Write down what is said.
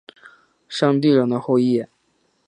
山地人的后裔。